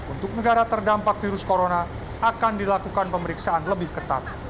untuk negara terdampak virus corona akan dilakukan pemeriksaan lebih ketat